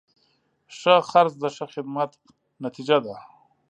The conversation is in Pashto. ښه خرڅ د ښه خدمت نتیجه ده.